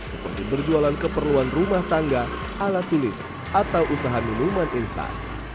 seperti berjualan keperluan rumah tangga alat tulis atau usaha minuman instan